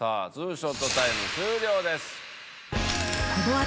ショットタイム終了です。